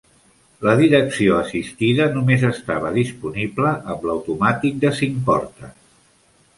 La direcció assistida només estava disponible amb l'automàtic de cinc portes.